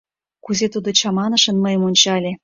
Кузе тудо чаманышын мыйым ончале!